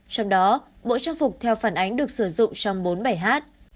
trong đó bộ trang phục theo phản ánh được sử dụng trong bốn bài hát